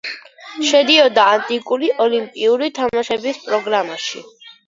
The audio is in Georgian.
შედიოდა ანტიკური ოლიმპიური თამაშების პროგრამაში.